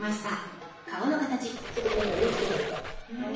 ちょっと今回色つけてみた。